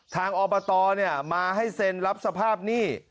ทางอบตเนี่ยมาให้เซ็นรับสภาพหนี้